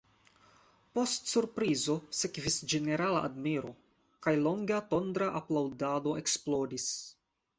Post surprizo sekvis ĝenerala admiro, kaj longa tondra aplaŭdado eksplodis.